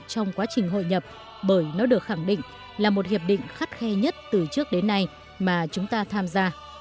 trong quá trình hội nhập bởi nó được khẳng định là một hiệp định khắt khe nhất từ trước đến nay mà chúng ta tham gia